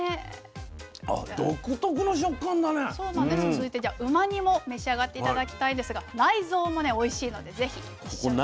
続いてじゃあうま煮も召し上がって頂きたいんですが内臓もねおいしいので是非一緒に。